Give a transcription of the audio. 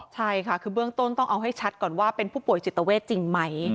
ใช่ค่ะคือเบื้องต้นต้องเอาให้ชัดก่อนว่าเป็นผู้ป่วยจิตเวทจริงไหม